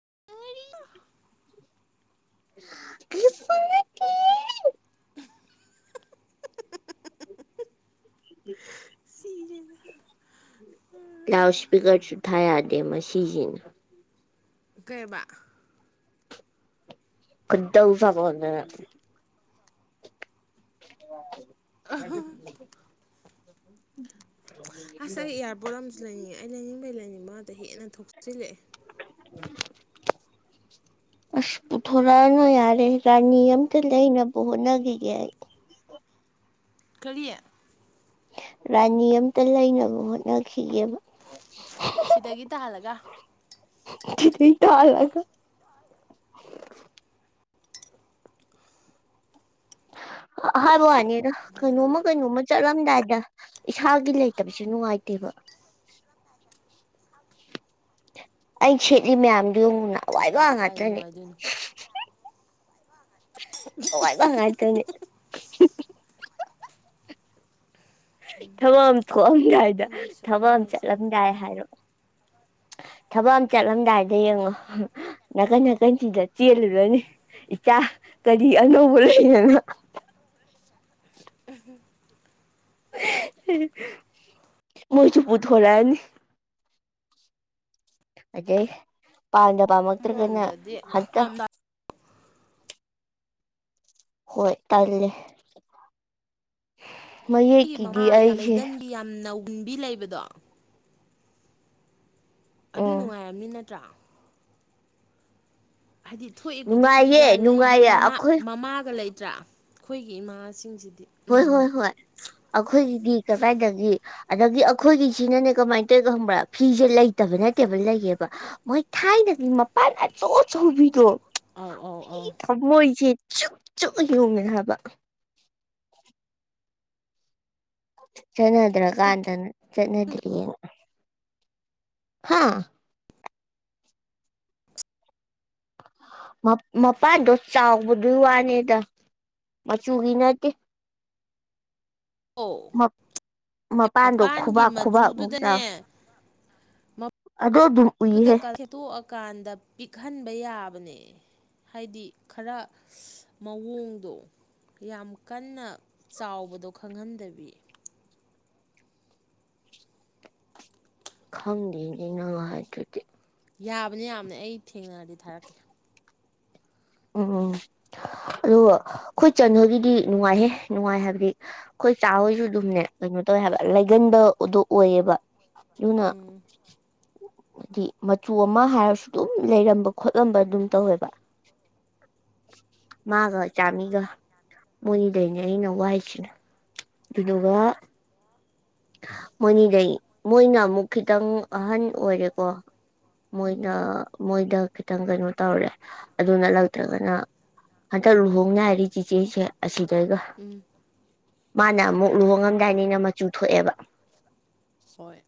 [unintelligible] [unintelligible] ꯁꯤꯔꯦꯗ loud ꯏꯁꯄꯤꯀꯔꯁꯨ ꯊꯥ ꯌꯥꯗꯦ ꯃꯁꯤꯖꯤꯅ ꯀꯕ ꯈꯣꯏꯗꯧ ꯁꯥꯎꯒꯠꯂꯛꯇꯅ [unintelligible] [unintelligible] [inaudible] ꯑꯁ ꯑꯩ ꯏꯌꯥꯔꯄꯣꯠ ꯑꯃꯁꯨ ꯂꯩꯅꯤꯡꯉꯦ ꯑꯩ ꯂꯩꯅꯤꯡꯕꯩ ꯂꯩꯅꯤꯡꯕ ꯑꯗ ꯍꯦꯟꯅ ꯊꯣꯛꯆꯤꯜꯂꯛꯑꯦ ꯑꯁ ꯄꯨꯊꯣꯔꯛꯑꯅ ꯌꯥꯔꯦ ꯔꯥꯅꯤ ꯑꯝꯇ ꯂꯩꯅꯕ ꯍꯣꯠꯅꯈꯤꯒꯦ ꯑꯩ ꯀꯔꯤ ꯔꯥꯅꯤ ꯑꯝꯇ ꯂꯩꯅꯕ ꯍꯣꯠꯅꯈꯤꯒꯦꯕ ꯁꯤꯗꯒꯤ ꯇꯥꯍꯜꯂꯒ [unintelligible] ꯇꯥꯍꯜꯂꯒ ꯑꯍꯥꯟꯕ ꯋꯥꯅꯤꯅ ꯂꯩꯌꯨ ꯀꯩꯅꯣꯝꯃ ꯀꯩꯅꯣꯝꯃ ꯆꯠꯂꯝꯗꯥꯏꯗ ꯏꯁꯥꯒꯤ ꯂꯩꯇꯕꯤꯁꯨ ꯅꯨꯡꯉꯥꯏꯇꯦꯕ ꯑꯩ ꯁꯦꯠꯂꯤ ꯃꯌꯥꯝꯗꯨ ꯌꯦꯡꯉꯨꯅ ꯋꯥꯏꯕꯣ ꯑꯗꯨꯕꯨꯗꯤ ꯀꯥꯏꯗ ꯉꯇꯅꯦ ꯅꯨꯡꯉꯥꯏꯗꯣꯏꯅꯣ ꯥꯏꯅꯦ ꯊꯕꯛ ꯑꯃ ꯊꯣꯛꯑꯝꯗꯥꯏꯗ ꯅꯪꯒꯤꯁꯨ ꯊꯕꯛ ꯑꯃ ꯂꯩꯁꯤꯟ ꯐꯩ ꯆꯠꯂꯝꯗꯥꯏ ꯍꯥꯏꯔꯣ ꯊꯕꯛ ꯑꯃ ꯆꯠꯂꯝꯗꯥꯏꯗ ꯌꯦꯡꯉꯣ ꯅꯥꯀꯟ ꯅꯥꯀꯟꯁꯤꯗ ꯆꯦꯜꯂꯨꯔꯅꯤ ꯏꯆꯥ ꯀꯔꯤ ꯑꯅꯧꯕ ꯂꯩꯅꯅ ꯃꯣꯏ ꯆꯨꯞꯄꯨꯊ ꯍꯣꯔꯅꯤ ꯑꯩꯦ ꯄꯥꯡꯅ ꯄꯥ ꯃꯛꯇ꯭ꯔ ꯀꯩꯅ ꯑꯃꯔꯣꯝꯗꯗꯤ ꯍꯥꯠꯇ ꯌꯥꯝꯅ ꯍꯣꯏ ꯇꯥꯏꯦ ꯃꯌꯦꯛꯀꯤꯗꯤ ꯑꯩꯁꯦ ꯄꯨꯟꯕꯤ ꯂꯩꯕꯗꯣ ꯑꯗꯨ ꯎꯝ ꯅꯨꯡꯉꯥꯏꯔꯃꯤꯅ ꯆ ꯍꯥꯏꯗꯤ ꯊꯣꯛꯏ ꯈꯨꯗꯤꯡꯒꯤꯒ ꯅꯨꯡꯉꯥꯏꯌꯦ ꯂꯩꯕꯤ ꯅꯨꯡꯉꯥꯏꯌꯦ ꯃꯃꯥ ꯑꯩꯈꯣꯏ ꯃꯃꯥꯒ ꯂꯩ ꯅꯠꯇ꯭ꯔꯥ ꯑꯩꯈꯣꯏꯒꯤ ꯏꯃꯥꯁꯤꯡꯁꯤꯗꯤ ꯍꯣꯏ ꯍꯣꯏ ꯎꯝ ꯍꯣꯏ ꯑꯩꯈꯣꯏꯒꯤꯗꯤ ꯀꯗꯥꯏꯗꯗꯒꯤ ꯑꯗꯒꯤ ꯑꯩꯈꯣꯏꯒꯤꯁꯤꯅꯅꯦ ꯀꯃꯥꯏꯅ ꯇꯧꯔꯤꯅꯣ ꯈꯪꯕ꯭ꯔꯥ ꯐꯤꯁꯦ ꯂꯩꯇꯕ ꯅꯠꯇꯦꯕ ꯂꯩꯒꯦꯕ ꯃꯣꯏ ꯊꯥꯏꯅꯒꯤ ꯃꯄꯥꯟ ꯑꯆꯧ ꯑꯆꯧꯕꯤꯗꯣ ꯑꯥꯎ ꯑꯥꯎ ꯑꯥꯎ ꯊꯃꯣꯏꯁꯦ ꯆꯨꯞ ꯆꯨꯞꯅ ꯌꯣꯉꯦ ꯍꯥꯏꯕ [unintelligible] ꯆꯗ꯭ꯔ ꯀꯥꯟꯗꯅ ꯆꯉꯗꯔꯤ ꯌꯦꯅ ꯍꯥꯥ ꯃꯄꯥꯟꯗꯣ ꯆꯥꯎꯕꯗꯨ ꯋꯥꯅꯤꯗ ꯃꯆꯨꯒꯤ ꯅꯠꯇꯦ ꯑꯣ ꯃꯄꯥꯟꯗꯣ ꯃꯄꯥꯟꯒꯤ ꯈꯨꯕꯥꯛ ꯈꯨꯕꯥꯛꯃꯨꯛ ꯃꯆꯨꯗꯨꯗꯅꯦ ꯆꯥꯎꯋꯤ ꯑꯗꯣ ꯑꯗꯨꯝ ꯎꯍꯦ ꯀꯥꯟꯗ ꯄꯤꯛꯍꯟꯕ ꯌꯥꯕꯅꯦ ꯍꯥꯏꯗꯤ ꯈꯔ ꯃꯑꯣꯡꯗꯣ ꯌꯥꯝ ꯀꯟꯅ ꯆꯥꯎꯕꯗꯣ ꯈꯪꯍꯟꯗꯕꯤ ꯈꯪꯗꯦꯅꯦꯩꯅ ꯍꯥꯏꯗ꯭ꯔꯗꯤ ꯌꯥꯕꯅ ꯌꯥꯝꯅ ꯑꯩ ꯊꯦꯡꯅꯔꯗꯤ ꯊꯥꯔꯛꯀꯦ ꯎꯝ ꯑꯗꯨꯒ ꯑꯩꯈꯣꯏ ꯆꯟꯍꯣꯏꯒꯤꯗꯤ ꯅꯨꯡꯉꯥꯏꯍꯦ ꯅꯨꯡꯉꯥꯏ ꯍꯥꯏꯕꯗꯤ ꯑꯩꯈꯣꯏ ꯆꯥ ꯍꯣꯏꯁꯨ ꯑꯗꯨꯝꯅꯦ ꯀꯩꯅꯣ ꯇꯧꯋꯦ ꯍꯥꯏꯕ ꯂꯩꯒꯟꯕꯗꯣ ꯑꯣꯏꯌꯦꯕ ꯌꯅ ꯎꯝ ꯍꯥꯏꯗꯤ ꯃꯆꯨ ꯑꯃ ꯍꯥꯏꯔꯁꯨ ꯑꯗꯨꯝ ꯂꯩꯔꯝꯕ ꯈꯣꯠꯂꯝꯕ ꯑꯗꯨꯝ ꯇꯧꯋꯦꯕ [unintelligible] ꯃꯥꯒ ꯍꯣꯏ ꯆꯥꯃꯤꯒ ꯃꯣꯏꯅꯤꯗꯅꯦ ꯑꯩꯅ ꯋꯥꯏꯁꯤꯅ ꯑꯗꯨꯒ ꯋꯥ ꯃꯣꯏꯅꯤꯗꯩ ꯃꯣꯏꯅ ꯑꯃꯨꯛ ꯈꯤꯇꯪ ꯑꯍꯟ ꯑꯣꯏꯔꯦꯀꯣ ꯃꯣꯏꯅ ꯎꯝ ꯃꯣꯏꯗ ꯈꯤꯇꯪ ꯀꯩꯅꯣ ꯇꯧꯔꯦ ꯑꯗꯨꯅ ꯂꯛꯇ꯭ꯔꯒꯅ ꯍꯟꯗꯛ ꯂꯨꯍꯣꯡꯉ ꯍꯥꯏꯔꯤ ꯆꯦꯆꯦꯁꯦ ꯑꯁꯤ ꯀꯒ ꯎꯝ ꯃꯥꯅ ꯑꯃꯨꯛ ꯂꯨꯍꯣꯡꯉꯝꯗꯥꯏꯅꯤꯅ ꯃꯆꯨ ꯊꯣꯛꯑꯦꯕ ꯍꯣꯏ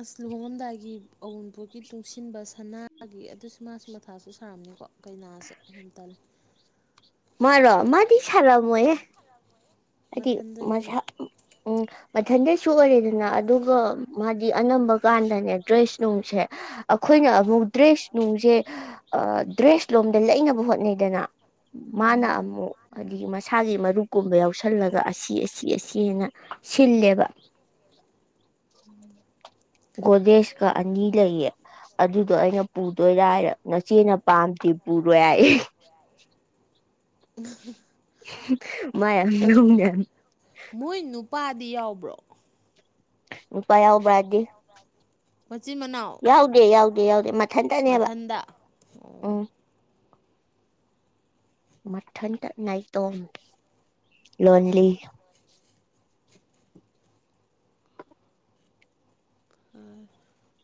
ꯑꯁ ꯂꯨꯍꯣꯡꯡꯂꯝꯗꯥꯏꯒꯤ ꯑꯎꯟꯄꯣꯛꯒꯤ ꯇꯨꯡꯁꯤꯟꯕ ꯁꯅꯥꯒꯤ ꯑꯗꯨꯁꯨ ꯃꯥꯁꯨ ꯃꯊꯥꯁꯨ ꯁꯥꯔꯝꯅꯤꯀꯣ ꯀꯩꯅꯥꯁꯦ ꯀꯩꯇꯜꯜꯂꯤ ꯃꯔ ꯃꯥꯗꯤ ꯁꯥꯥꯔꯃ ꯑꯦ ꯍꯥꯏꯗꯤ ꯃꯊꯟꯗꯅꯤꯅ ꯃꯖꯥ ꯎꯝ ꯃꯊꯟꯗꯁꯨ ꯑꯣꯏꯔꯦꯗꯅ ꯑꯗꯨꯒ ꯃꯥꯗꯤ ꯑꯅꯝꯕꯀꯥꯟꯗꯅꯦ ꯗ꯭ꯔꯦꯁ ꯅꯨꯡꯁꯦ ꯑꯩꯈꯣꯏꯅ ꯑꯃꯨꯛ ꯗ꯭ꯔꯦꯁ ꯅꯨꯡꯁꯦ ꯗ꯭ꯔꯦꯁ ꯂꯣꯝꯗ ꯂꯩꯅꯕ ꯍꯣꯠꯅꯩꯗꯅ ꯃꯥꯅ ꯑꯗꯒꯤ ꯃꯁꯥꯒꯤ ꯃꯔꯨꯞꯀꯨꯝꯕ ꯌꯥꯎꯁ ꯈꯜꯂꯒ ꯑꯁꯤ ꯑꯁꯤ ꯑꯁꯤ ꯍꯥꯏꯅ ꯁꯤꯜꯂꯦꯕ ꯒꯣꯗꯦꯁꯀ ꯑꯅꯤ ꯂꯩꯌꯦ ꯑꯗꯨꯗꯣ ꯑꯩꯅ ꯄꯨꯗꯣꯏꯔꯔ ꯅꯆꯦꯅ ꯄꯥꯝꯗꯤ ꯄꯨꯔꯣꯏ ꯍꯥꯏꯏ [unintelligible] ꯃꯌꯥꯝ ꯃꯔꯨ ꯌꯥꯌꯥꯝ ꯃꯣꯏ ꯅꯨꯄꯥꯗꯤ ꯌꯥꯎꯕ꯭ꯔꯣ ꯏꯄꯥ ꯌꯥꯎꯕꯗꯤ ꯃꯆꯤꯟ ꯃꯅꯥꯎ [unintelligible] ꯃꯊꯟꯗ ꯑꯣ ꯎꯝ ꯃꯊꯟꯗ ꯅꯇꯣ ꯂꯣꯟꯂꯤ [unintelligible]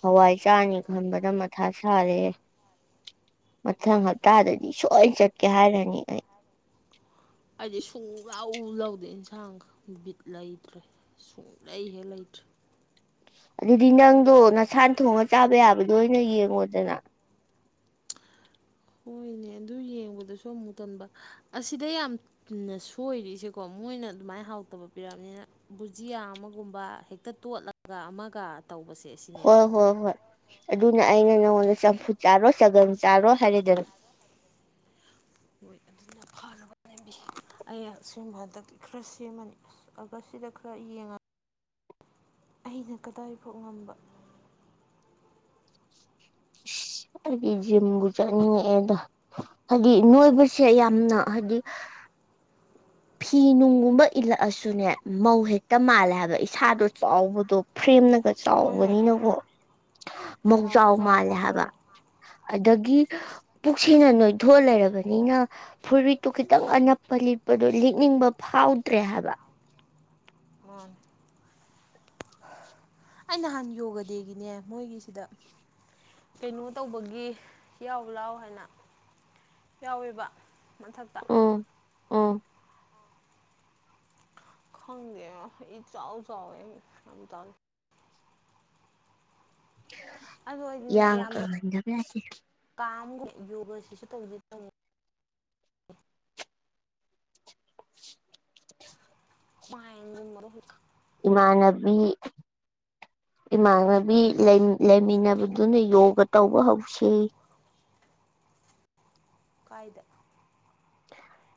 ꯍꯋꯥꯏ ꯆꯥꯅꯤ ꯈꯟꯕꯗ ꯃꯊꯥ ꯁꯥꯔꯦ ꯃꯊꯪ ꯍꯞꯇꯥꯗꯗꯤ ꯁꯨꯡꯣꯏꯅ ꯆꯠꯀꯦ ꯍꯥꯏꯔꯅꯤ ꯑꯩ ꯍꯥꯏꯗꯤ ꯁꯨꯡ ꯂꯧꯥꯎ ꯂꯧꯥꯎꯗꯦ ꯏꯟꯁꯥꯡꯒ ꯕꯤꯠ ꯂꯩꯇ꯭ꯔꯦ ꯁꯨꯡꯂꯩ ꯍꯦꯛ ꯂꯩꯇ꯭ꯔꯦ ꯑꯗꯨꯗꯤ ꯅꯪꯗꯣ ꯅꯁꯥꯟ ꯊꯣꯡꯉ ꯆꯥꯕ ꯌꯥꯕꯗꯣ ꯑꯣꯏꯅ ꯌꯦꯡꯉꯣꯗꯅ ꯍꯣꯏꯅꯦ ꯑꯗꯨ ꯌꯦꯡꯕꯗꯁꯨ ꯑꯃꯨꯛ ꯇꯣꯟꯕ ꯑꯁꯤꯗ ꯌꯥꯝꯅ ꯁꯣꯏꯔꯤꯁꯦꯀꯣ ꯃꯣꯏꯅ ꯑꯗꯨꯃꯥꯏꯅ ꯍꯥꯎꯇꯕ ꯄꯤꯔꯛꯑꯕꯅꯤꯅ ꯕꯨꯖꯤꯌꯥ ꯑꯃꯒꯨꯝꯕ ꯍꯦꯛꯇ ꯇꯣꯠꯂꯒ ꯑꯃꯒ ꯇꯧꯕꯁꯦ ꯁꯤꯅꯦꯕ ꯍꯣꯏ ꯍꯣꯏ ꯍꯣꯏ ꯑꯗꯨꯅ ꯑꯩꯅ ꯅꯉꯣꯟꯗ ꯆꯝꯐꯨ ꯆꯥꯔꯣ ꯁꯒꯝ ꯆꯥꯔꯣ ꯍꯥꯏꯔꯗꯅ ꯍꯣꯏ ꯑꯗꯨꯅ ꯐꯅꯕꯕꯤ ꯑꯩ ꯁꯤꯨꯝꯕ ꯍꯟꯗꯛꯤ ꯈꯔ ꯁꯦꯝꯃꯅꯤ ꯑꯒ ꯁꯤꯗ ꯈꯔ ꯌꯦꯡꯉꯒ ꯑꯩꯅ ꯀꯗꯥꯏ ꯐꯥꯎ ꯉꯝꯕ ꯑꯩꯗꯤ ꯖꯤꯝꯕꯨ ꯆꯠꯅꯤꯡꯉꯛꯑꯦꯗꯣ ꯍꯥꯏꯗꯤ ꯅꯣꯏꯕꯁꯦ ꯌꯥꯝꯅ ꯍꯥꯏꯗꯤ ꯐꯤ ꯅꯨꯡꯒꯨꯝꯕ ꯏꯜꯂꯛꯑꯁꯨꯅꯦ ꯃꯧ ꯍꯦꯛꯇ ꯃꯥꯜꯂꯦ ꯍꯥꯏꯕ ꯏꯁꯥꯗꯣ ꯆꯥꯎꯕꯗꯣ ꯐ꯭ꯔꯦꯝꯅ ꯍꯣꯏ ꯍꯣꯏ ꯆꯥꯎꯕꯅꯤꯅꯀꯣ ꯃꯧ ꯆꯥꯎꯥꯎ ꯃꯧꯖꯥꯎ ꯃꯥꯜꯂꯦ ꯍꯥꯏꯕ ꯃꯥꯟꯕꯗꯣ ꯑ ꯒꯤ ꯄꯨꯛ ꯁꯅ ꯅꯣꯏꯊꯣꯛ ꯂꯩꯔꯕꯅꯤꯅ ꯐꯨꯔꯤꯠꯇꯨ ꯈꯤꯇꯪ ꯑꯅꯞꯄ ꯂꯤꯞ ꯑꯗꯨ ꯂꯤꯛꯅꯤꯡꯕ ꯐꯥꯎꯗ꯭ꯔꯦ ꯍꯥꯏꯕ ꯑꯣ ꯑꯩ ꯅꯍꯥꯟ ꯌꯣꯒ ꯗꯦꯒꯤꯅꯦ ꯃꯣꯏꯒꯤꯁꯤꯗ ꯀꯩꯅꯣ ꯇꯧꯕꯒꯤ ꯌꯥꯎ ꯂꯥꯎ ꯍꯥꯏꯅ ꯌꯥꯎꯋꯦꯕ ꯃꯊꯛꯇ ꯑꯥ ꯈꯪꯗꯦ ꯏ ꯆꯥꯎꯎ ꯆꯎꯦ ꯑꯗ ꯑꯗꯣ ꯑꯩꯗꯤꯅꯦ ꯌꯥ ꯀꯗꯕꯁꯤ ꯌꯣꯒꯥꯁꯤꯁꯨ ꯇꯧꯗꯤ ꯇꯝꯣ ꯃꯥꯥꯏꯟ ꯃꯔꯔꯣ ꯏꯃꯥꯟꯅꯕꯤ ꯏꯃꯥꯟꯅꯕꯤ ꯂꯩꯃꯤꯟꯅꯕꯗꯨꯅ ꯌꯣꯒ ꯇꯧꯕ ꯍꯧꯁꯤ ꯀꯥꯏꯗ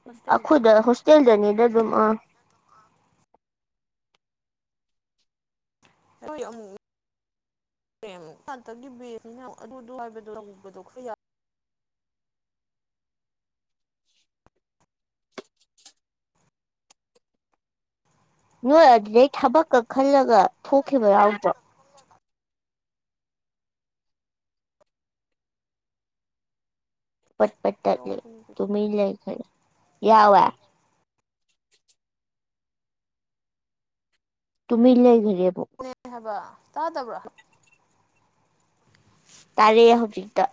ꯍꯣꯁꯇꯦꯜꯗ ꯑꯩꯈꯣꯏꯗ ꯍꯣꯁꯇꯦꯜꯗꯅꯤꯗ ꯑꯗꯨꯝ ꯑ ꯍꯣꯏ ꯑꯃꯨꯛ ꯉꯇꯒꯤꯕꯅꯤꯅ ꯑꯗꯨꯕꯗꯗꯣ ꯈꯔ ꯌꯥ ꯅꯣꯏ ꯑꯗꯨꯗꯩ ꯊꯕꯛꯀ ꯈꯜꯂꯒ ꯊꯣꯛꯈꯤꯕ ꯌꯥꯎꯗ꯭ꯔꯣ ꯄꯄ ꯇ ꯂꯩ ꯌꯥꯎꯕꯅꯤ ꯇꯃꯤ ꯂꯩꯏ ꯈꯔ ꯌꯥꯋꯦ ꯇꯨꯃꯤ ꯏ ꯂꯩꯒꯦ [unintelligible] ꯍꯕ ꯇꯥꯗꯕ꯭ꯔ ꯇꯥꯔꯦ ꯍꯧꯖꯤꯛꯇ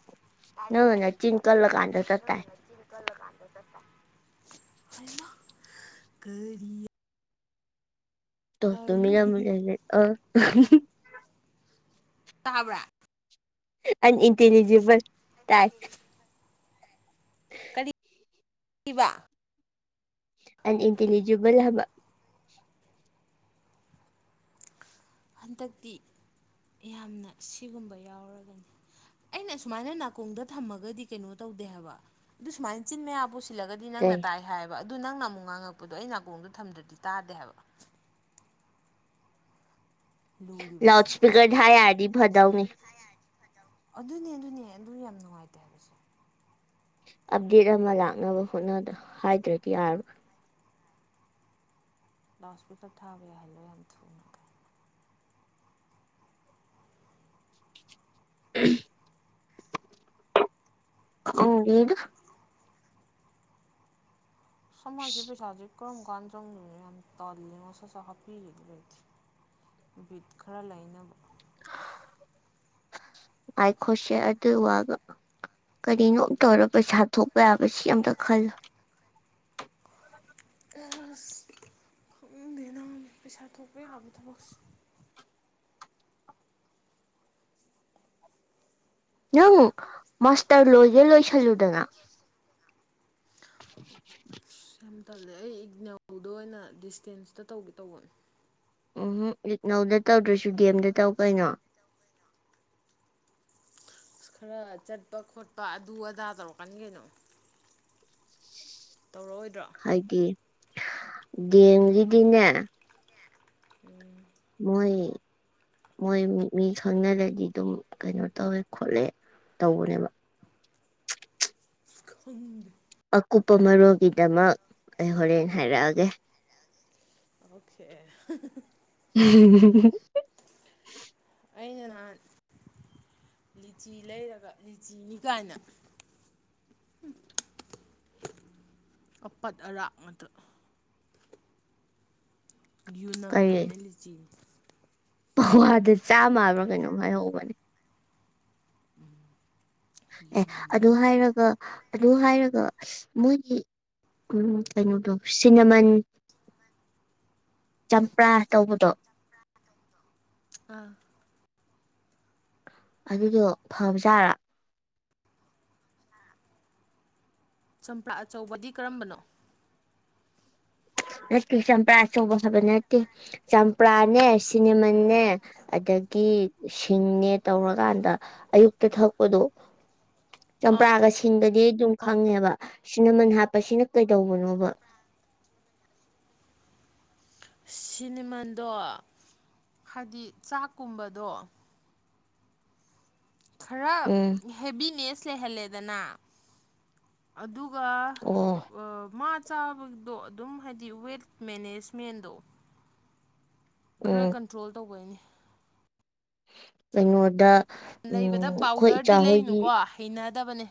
ꯇꯥꯔꯦ ꯅꯪꯅ ꯅ ꯍꯧꯖꯤꯛ ꯆꯤꯟ ꯀꯜꯂꯀꯥꯟꯗ ꯆ ꯅꯪꯅ ꯇꯥꯏ ꯅꯆꯤꯟ ꯀꯜꯂꯀꯥꯟꯗ ꯆꯠꯄ ꯀꯔꯤ ꯇ ꯇꯃꯤ ꯍꯥꯏꯌꯨ ꯌꯥꯦ ꯑ ꯇꯥꯕ꯭ꯔꯥ ꯑꯟꯏꯟꯇꯦꯂꯤꯖꯤꯦꯕꯜ ꯇꯥꯏ ꯏꯕ ꯑꯟꯏꯟꯇꯦꯂꯤꯖꯤꯕꯜ ꯍꯥꯕ ꯍꯟꯗꯛꯇꯤ ꯌꯥꯝꯅ ꯁꯤꯒꯨꯝꯕ ꯌꯥꯎꯔꯒꯅꯤ ꯑꯩꯅ ꯑꯨꯃꯥꯏꯅ ꯅꯥꯀꯣꯡꯗ ꯊꯝꯃꯒꯗꯤ ꯀꯩꯅꯣ ꯇꯧꯗꯦ ꯍꯥꯏꯕ ꯑꯗꯨ ꯁꯨꯃꯥꯏꯅ ꯆꯤꯟ ꯃꯌꯥꯕꯨ ꯁꯤꯜꯂꯒꯗꯤ ꯅꯪꯅ ꯀꯩ ꯇꯥꯏ ꯍꯥꯏꯕ ꯑꯗꯨ ꯅꯪꯅ ꯑꯃꯨꯛ ꯉꯥꯡꯉꯛꯄꯗꯣ ꯑꯩ ꯅꯥꯀꯣꯡꯗꯣ ꯊꯝꯗ꯭ꯔꯗꯤ ꯇꯥꯗꯦ ꯍꯥꯏꯕ ꯂꯥꯎꯠ ꯂꯨꯔꯤꯕꯁꯦ ꯁꯄꯤꯀꯔꯗ ꯑꯔꯗꯤ ꯐꯗꯥꯧꯅꯤ ꯑꯗꯨꯅꯦ ꯑꯗꯨꯅꯦ ꯑꯗꯨ ꯌꯥꯝ ꯅꯨꯡꯉꯥꯏꯇꯦ ꯍꯥꯏꯕꯁꯦ ꯑꯞꯗꯦꯠ ꯑꯃ ꯂꯥꯛꯅꯕ ꯍꯣꯠ ꯍꯥꯏꯗ꯭ꯔꯗꯤ ꯌꯥꯔꯕꯣꯏꯥ ꯂꯥꯎꯁꯄꯦꯠꯇꯔ ꯊꯥꯕ ꯌꯥꯏꯍꯜꯂꯣ ꯌꯥꯝ ꯊꯨꯅ ꯀꯥꯏ ꯎ ꯑ ꯌꯦꯗ ꯁꯃꯥꯟꯁꯤ ꯄꯩꯁꯥꯁꯤ ꯀꯔꯝ ꯀꯥꯟ ꯆꯣꯡꯗꯅ ꯌꯥꯝ ꯇꯜꯂꯤ ꯃꯣꯁꯁ ꯍꯥꯞꯄꯤꯔꯤꯠ ꯕꯤꯠ ꯈꯔ ꯂꯩꯅꯕ ꯉꯥꯏꯈꯣꯁꯦ ꯑꯗꯨ ꯋꯥꯒ ꯀꯔꯤꯅꯣ ꯇꯧꯔ ꯄꯩꯁꯥ ꯊꯣꯛꯄ ꯌꯥꯕꯁꯤ ꯑꯝꯇ ꯈꯜꯂꯨ ꯑꯁ ꯈꯪꯅꯤꯡꯗꯦꯅ ꯄꯩꯁꯥ ꯊꯣꯛꯄ ꯌꯥꯕ ꯊꯕꯛꯁꯨ ꯅꯪ ꯃꯥꯁꯇꯔ ꯂꯣꯏꯒꯦ ꯂꯣꯏꯁꯜꯂꯨꯗꯅ [inaudible] ꯀ ꯇꯜꯂꯦ ꯑꯩ ꯏꯒꯅꯦꯜꯗ ꯑꯣꯏꯅ ꯗꯤꯁꯇꯦꯟꯁꯇ ꯇꯧꯒꯦ ꯇꯧꯕꯅꯦ ꯎꯝ ꯏꯛꯅꯧꯗ ꯇꯧꯗ꯭ꯔꯁꯨ ꯗꯦꯝꯗ ꯇꯧ ꯀꯩꯅꯣ ꯑ ꯈꯔ ꯆꯠꯄ ꯈꯣꯠꯄ ꯑꯗꯨ ꯑꯗꯥ ꯇꯧꯔꯛꯀꯅꯤ ꯀꯩꯅꯣ ꯇꯧꯔꯛꯑꯣꯏꯗ꯭ꯔꯣ ꯗꯦꯡꯒꯤꯗꯤꯅꯦ ꯎꯝ ꯃꯣꯏ ꯃꯣꯏ ꯃꯤ ꯈꯪꯅꯔꯗꯤ ꯑꯗꯨꯝ ꯀꯩꯅꯣ ꯇꯧꯋꯦ ꯈꯣꯠꯂꯦ ꯇꯧꯕꯅꯦꯕ [unintelligible] ꯑꯀꯨꯞꯄ ꯃꯔꯣꯜꯒꯤꯗꯃꯛ ꯑꯩ ꯍꯣꯔꯦꯟ ꯍꯥꯏꯔꯛꯑꯒꯦ ꯑꯣꯀꯦ [unintelligible] ꯑꯩꯅ ꯅꯍꯥꯟ ꯂꯤꯆꯤ ꯂꯩꯔꯒ ꯂꯤꯆꯤꯅꯤ ꯀꯥꯏꯅ ꯑꯄꯠ ꯑꯔꯥꯛ ꯑꯗꯨ ꯌꯨꯅꯝ ꯀꯔꯤ ꯅꯝꯃꯦ ꯂꯤꯆꯤ ꯄꯋꯥꯗ ꯆꯥ ꯃꯕ꯭ꯔꯥ ꯀꯩꯅꯣꯝ ꯍꯥꯏꯍꯧꯕꯅꯦ ꯑꯦ ꯌꯨꯅꯝ ꯅꯝ ꯑꯗꯨ ꯍꯥꯏꯔꯒ ꯑꯗꯨ ꯍꯥꯏꯔꯒ ꯃꯣꯏꯒꯤ ꯀꯩꯅꯣꯗꯣ ꯁꯤꯅꯃꯟ ꯆꯝꯄ꯭ꯔꯥ ꯇꯧꯕꯗꯣ ꯑꯥ ꯑꯗꯨꯗꯣ ꯐꯕꯖꯥꯔꯥ ꯆꯝꯄ꯭ꯔꯥ ꯑꯆꯧꯕꯗꯤ ꯀꯔꯝꯕꯅꯣ ꯅꯠꯇꯦ ꯆꯝꯄ꯭ꯔꯥ ꯑꯆꯧꯕ ꯍꯥꯏꯕ ꯅꯠꯇꯦ ꯆꯝꯄ꯭ꯔꯥꯅꯦ ꯁꯤꯅꯦꯃꯦ ꯑꯗꯒꯤ ꯁꯤꯡꯅꯦ ꯇꯧꯔꯀꯥꯟꯗ ꯑꯌꯨꯛꯇ ꯊꯛꯄꯗꯣ ꯑꯥ ꯆꯝꯄ꯭ꯔꯥꯒ ꯁꯤꯡꯒ ꯑꯗꯨꯝ ꯈꯪꯉꯦꯕ ꯁꯤꯅꯃꯟ ꯍꯥꯞꯄꯁꯤꯅ ꯀꯩꯗꯧꯕꯅꯣꯕ ꯁꯤꯅꯦꯃꯟꯗꯣ ꯍꯥꯏꯗꯤ ꯆꯥꯛꯀꯨꯝꯕꯗꯣ ꯈꯔ ꯎꯝ ꯍꯦꯕꯤꯅꯦꯁ ꯂꯩꯍꯜꯂꯦ ꯅ ꯑꯗꯨ ꯋꯥ ꯆꯥꯕꯗꯣ ꯑꯗꯨꯝ ꯍꯥꯏꯗꯤ ꯋꯦꯠ ꯃꯦꯅꯦꯖꯃꯦꯟꯗꯣ ꯈꯔ ꯎꯝ ꯀꯟꯇ꯭ꯔꯣꯜ ꯇꯧꯕꯅꯤ ꯄꯉꯣꯗ ꯂꯩꯕꯗ ꯄꯥꯎꯗꯔꯗꯤ ꯂꯩꯅꯨꯀꯣ ꯍꯩꯅ ꯗꯕꯅꯤ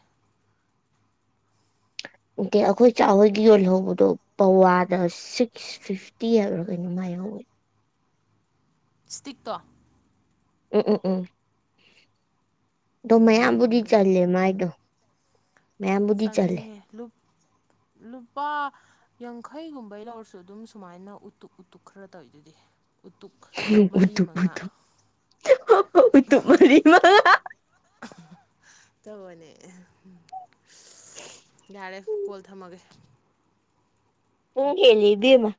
ꯅꯠꯇꯦ ꯑꯩꯈꯣꯏ ꯆꯥꯛꯍꯣꯏꯒꯤ ꯌꯣꯜꯍꯧꯕꯗꯣ ꯄꯋꯥꯗ ꯁꯤꯛꯁ ꯐꯤꯐꯇꯤ ꯍꯥꯏꯕ꯭ꯔꯥ ꯀꯩꯅꯣ ꯃꯥꯏꯍꯧꯋꯤ ꯏꯁꯇꯤꯛꯇꯣ ꯑꯣ ꯑꯣ ꯑꯣ ꯗ ꯎꯝ ꯃꯌꯥꯝꯕꯨꯗꯤ ꯆꯜꯂꯦ ꯃꯥꯥꯏꯗꯣ ꯆꯥꯟꯅꯤ ꯂꯨꯞ ꯂꯨꯄꯥ ꯌꯥꯡꯈꯩꯒꯨꯝꯕꯩ ꯂꯧꯔꯁꯨ ꯑꯗꯨꯝ ꯁꯨꯃꯥꯏꯅ ꯎꯇꯨ ꯎꯇꯨꯛ ꯈꯔ ꯇꯧꯋꯤ ꯑꯗꯨꯗꯤ [unintelligible] ꯍ ꯇꯨꯝꯃꯔꯤꯃ ꯇꯅꯦ ꯌꯥꯔꯦ ꯀꯣꯜ ꯊꯝꯃꯒꯦ ꯎꯨꯡ ꯀꯦꯗꯦꯃ